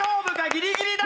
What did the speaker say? ギリギリだ！